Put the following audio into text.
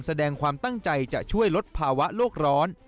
แสดงความตั้งใจจะช่วยลดภาวะโลกร้อน